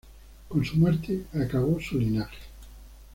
Con su muerte acabó su linaje.